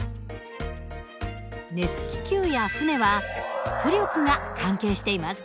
熱気球や船は浮力が関係しています。